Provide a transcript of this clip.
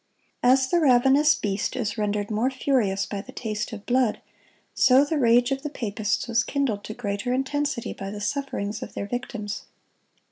As the ravenous beast is rendered more furious by the taste of blood, so the rage of the papists was kindled to greater intensity by the sufferings of their victims.